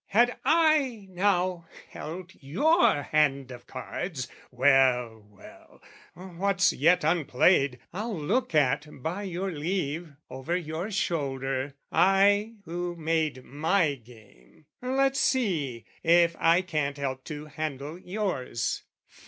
"Had I, now, held your hand of cards...well, well "What's yet unplayed, I'll look at, by your leave, "Over your shoulder, I who made my game, "Let's see, if I can't help to handle yours.